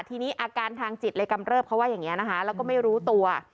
ทีนี้อาการทางจิตเลยกำเริบเขาว่าอย่างนี้นะคะแล้วก็ไม่รู้ตัว